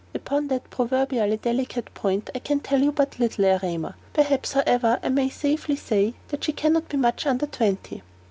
"Upon that proverbially delicate point I can tell you but little, Erema. Perhaps, however, I may safely say that she can not be much under twenty."